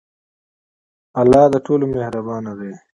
الله د ټولو مهربان دی.